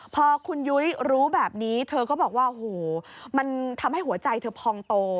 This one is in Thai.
พอคุณยุ้ยรู้แบบนี้เธอก็บอกว่าโอ้โหมันทำให้หัวใจเธอพองโต